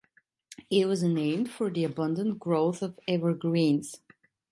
It was named for the abundant growth of evergreens.